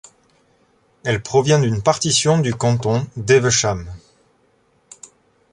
Elle provient d'une partition du canton d'Evesham.